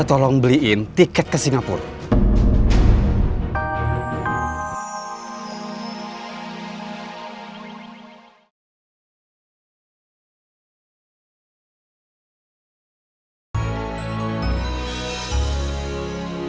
tolong beliin tiket ke singapura